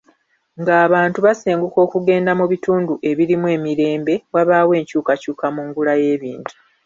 Ng'abantu basenguka okugenda mu bitundu ebirimu emirembe wabaawo enkyukakyuka mu ngula y'ebintu.